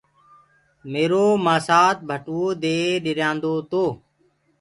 ميرو مآسآ ڀٽوئو دي ڏريآندو تو۔